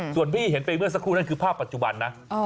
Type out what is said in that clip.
ส่วนที่เห็นไปเมื่อสักครู่นั่นคือภาพปัจจุบันนะ